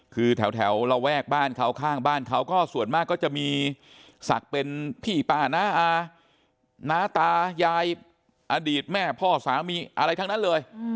คือแถวระแวกบ้านเขาข้างบ้านเขาก็ส่วนมากก็จะมีศักดิ์เป็นพี่ป้าน้าอาน้าตายายอดีตแม่พ่อสามีอะไรทั้งนั้นเลย